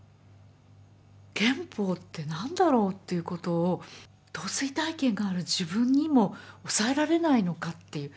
憲法って何だろうっていうことを統帥大権がある自分にも抑えられないのかっていう